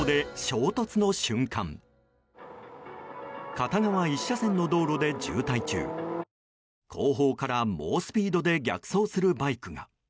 片側１車線の道路で渋滞中後方から猛スピードで逆走するバイクが。